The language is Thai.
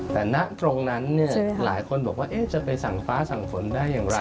แต่ณตรงนั้นหลายคนบอกว่าจะไปสั่งฟ้าสั่งฝนได้อย่างไร